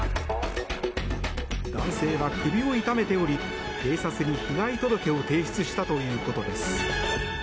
男性は首を痛めており警察に被害届を提出したということです。